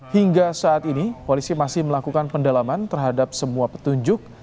hingga saat ini polisi masih melakukan pendalaman terhadap semua petunjuk